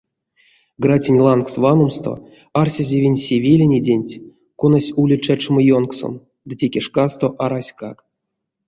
Граценть лангс ваномсто арсезевинь се велинеденть, конась ули чачома ёнкссом ды теке шкасто араськак.